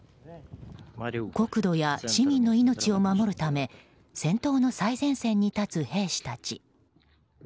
国土や市民の命を守るため戦闘の最前線に立つ兵士たち。